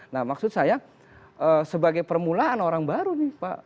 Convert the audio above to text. nah maksud saya sebagai permulaan orang baru nih pak